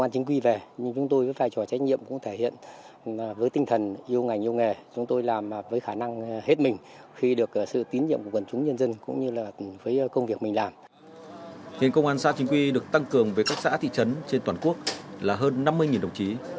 đến công an xã chính quy được tăng cường với các xã thị trấn trên toàn quốc là hơn năm mươi đồng chí